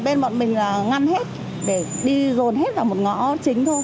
bên bọn mình là ngăn hết để đi dồn hết cả một ngõ chính thôi